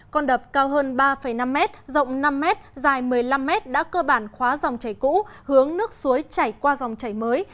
con đập cao hơn ba năm mét rộng năm mét dài một mươi năm mét đã cơ bản khóa dòng chảy cũ hướng nước suối chảy qua dòng chảy mới